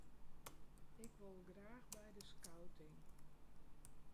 Ik wol graach by de skouting.